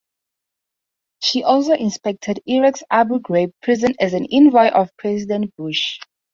She also inspected Iraq's Abu Ghraib prison as an envoy of President Bush.